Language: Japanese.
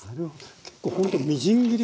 結構ほんとみじん切りぐらいね